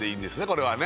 これはね